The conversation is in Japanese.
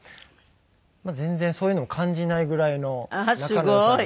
全然そういうのを感じないぐらいの仲の良さで。